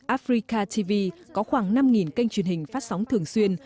afrika tv có khoảng năm kênh truyền hình phát sóng thường xuyên